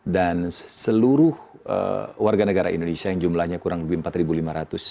dan seluruh warga negara indonesia yang jumlahnya kurang lebih empat lima ratus